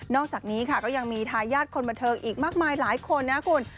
อกจากนี้ค่ะก็ยังมีทายาทคนบันเทิงอีกมากมายหลายคนนะคุณ